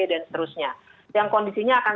dan seterusnya yang kondisinya akan